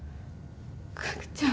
岳ちゃん。